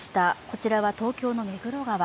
こちらは東京の目黒川。